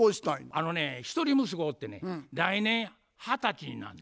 あのね一人息子おってね来年二十歳になる。